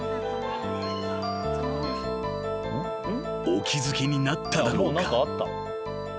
［お気付きになっただろうか？］